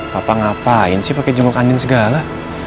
papa ngapain sih pake jenguk andin segala